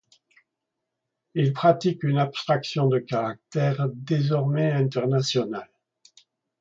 Il pratique une abstraction de caractère désormais international.